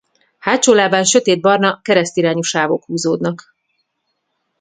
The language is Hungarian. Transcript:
Hátsó lábán sötétbarna keresztirányú sávok húzódnak.